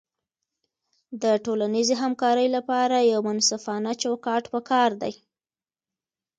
د ټولنیزې همکارۍ لپاره یو منصفانه چوکاټ پکار دی.